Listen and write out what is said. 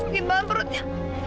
sakit banget perutnya